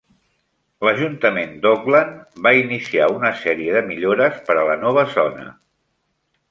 L'Ajuntament d'Auckland va iniciar una sèrie de millores per a la nova zona.